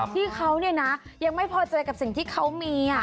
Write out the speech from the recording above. ที่เขาเนี่ยนะยังไม่พอใจกับสิ่งที่เขามี